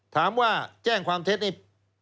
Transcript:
ถามว่าแจ้งความเท็จนี่